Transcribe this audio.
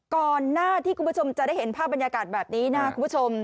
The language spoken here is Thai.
ก่อนหน้าที่คุณผู้ชมจะได้เห็นภาพบรรยากาศแบบนี้นะครับคุณผู้ชม